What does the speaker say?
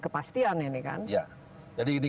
kepastian ini kan jadi ini